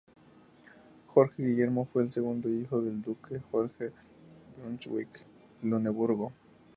Jorge Guillermo fue el segundo hijo del duque Jorge de Brunswick-Luneburgo.